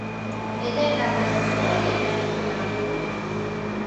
Nedeenda marikonyi da niko naw'uya